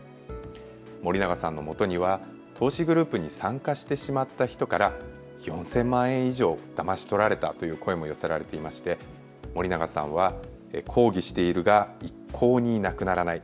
森永さんのもとには投資グループに参加してしまった人から４０００万円以上だまし取られたという声も寄せられていまして森永さんは抗議しているが一向になくならない。